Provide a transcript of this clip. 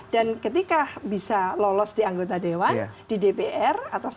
dan ketika bisa lolos di anggota dewan di dpr atau sebagainya dia akan mencari anggota dewan